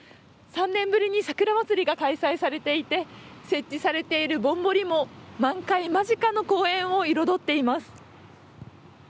３年ぶりに桜祭りが開催されていて設置されているぼんぼりも満開間近の公園を彩っています。